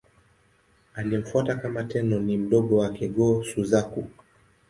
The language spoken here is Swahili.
Aliyemfuata kama Tenno ni mdogo wake, Go-Suzaku.